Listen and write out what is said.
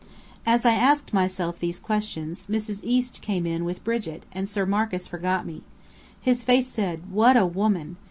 As I asked myself these questions, Mrs. East came in with Brigit, and Sir Marcus forgot me. His face said "What a woman!"